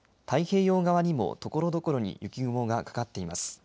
太平洋側にも、ところどころに雪雲がかかっています。